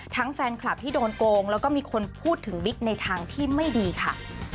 แฟนคลับที่โดนโกงแล้วก็มีคนพูดถึงบิ๊กในทางที่ไม่ดีค่ะ